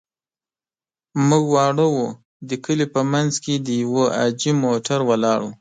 موږ واړه وو، د کلي په منځ کې د يوه حاجي موټر ولاړ و.